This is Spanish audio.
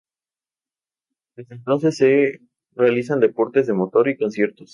Desde entonces se realizan deportes de motor y conciertos.